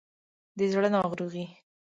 د زړه ناروغي